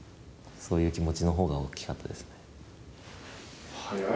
そういう気持ちの方が大きかったですね。